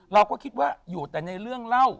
เราก็คิดว่าอยู่แต่ในเรื่องเล่า